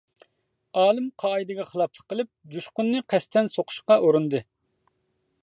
-ئالىم قائىدىگە خىلاپلىق قىلىپ، جۇشقۇننى قەستەن سۇقۇشقا ئۇرۇندى.